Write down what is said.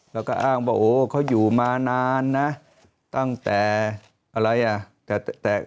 แล้วก็อ้างว่าโอ้เขาอยู่มานานนะตั้งแต่อะไรอ่ะแต่